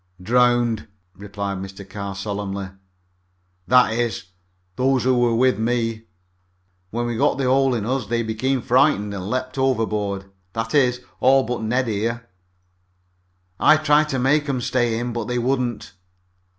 "Drowned," replied Mr. Carr solemnly. "That is, those who were with me. When we got the hole in us they became frightened and leaped overboard that is, all but Ned here. I tried to make 'em stay in, but they wouldn't.